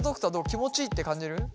気持ちいいって感じる？